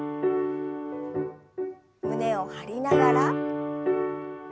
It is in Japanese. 胸を張りながら。